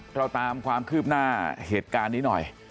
เราตามความคืบหน้าเหตุการณ์นี้หน่อย